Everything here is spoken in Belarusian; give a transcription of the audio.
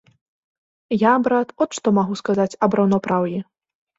Я, брат, от што магу сказаць аб раўнапраўі.